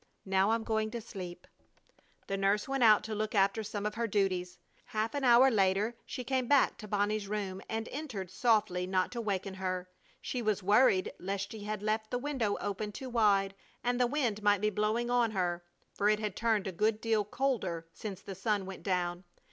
Now I'm going to sleep." The nurse went out to look after some of her duties. Half an hour later she came back to Bonnie's room and entered softly, not to waken her. She was worried lest she had left the window open too wide and the wind might be blowing on her, for it had turned a good deal colder since the sun went down.